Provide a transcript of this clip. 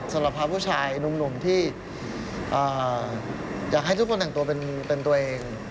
สำหรับพาผู้ชายหนุ่มที่อยากให้ทุกคนแต่งตัวเป็นตัวเอง